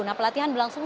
nah pelatihan langsung